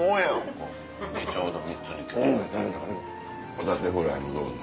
ホタテフライもどうぞ。